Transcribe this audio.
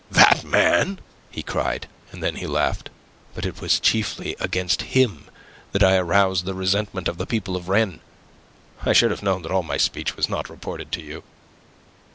"That man!" he cried, and then he laughed. "But it was chiefly against him that I aroused the resentment of the people of Rennes. I should have known that all my speech was not reported to you."